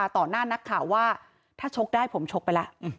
ถ้าชกได้ผมชกไป